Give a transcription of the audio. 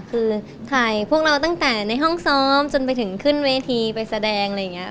คือถ่ายพวกเราตั้งแต่ในห้องซ้อมจนไปถึงขึ้นเวทีไปแสดงอะไรอย่างนี้